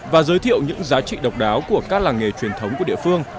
và giới thiệu những giá trị độc đáo của các làng nghề truyền thống của địa phương